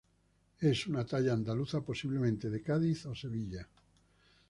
Es una talla andaluza, posiblemente de Cádiz o Sevilla.